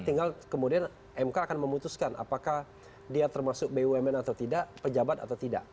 tinggal kemudian mk akan memutuskan apakah dia termasuk bumn atau tidak pejabat atau tidak